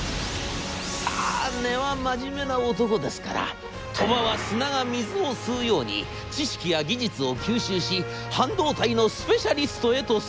さあ根は真面目な男ですから鳥羽は砂が水を吸うように知識や技術を吸収し半導体のスペシャリストへと成長します。